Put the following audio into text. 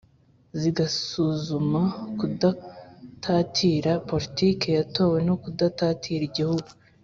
zigasuzuma kudatatira politike yatowe no kudatatira i gihugu.